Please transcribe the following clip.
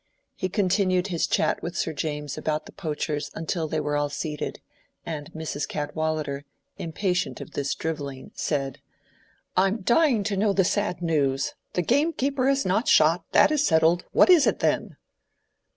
He continued his chat with Sir James about the poachers until they were all seated, and Mrs. Cadwallader, impatient of this drivelling, said— "I'm dying to know the sad news. The gamekeeper is not shot: that is settled. What is it, then?"